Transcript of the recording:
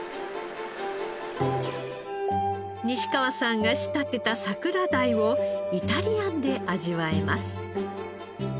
西川さんが仕立てた桜鯛をイタリアンで味わえます。